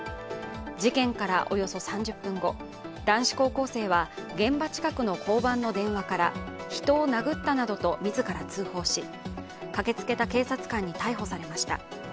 事件からおよそ３０分後、男子高校生は現場近くの交番の電話から、人を殴ったなどと自ら通報し、かけつけた警察官に逮捕されました。